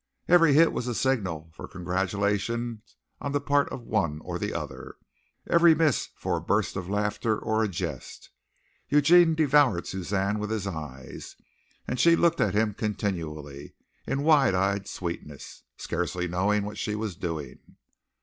Every hit was a signal for congratulation on the part of one or the other, every miss for a burst of laughter or a jest. Eugene devoured Suzanne with his eyes, and she looked at him continually, in wide eyed sweetness, scarcely knowing what she was doing.